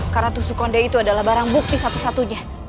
karena tusuk kondek itu adalah barang bukti satu satunya